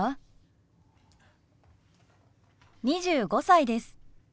２５歳です。